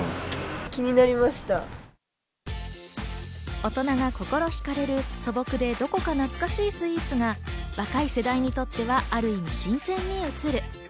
大人が心惹かれる素朴でどこか懐かしいスイーツが若い世代にとってはある意味、新鮮に映る。